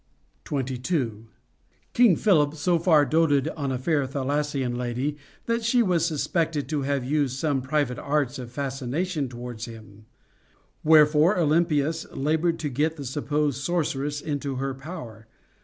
23. King Philip so far doted on a fair Thessalian lady, that she was suspected to have used some private arts of fascination towards him. Wherefore Olympias labored to get the supposed sorceress into her power.